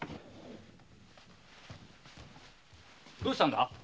どうしたんだ？